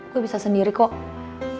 gue bisa sendiri kok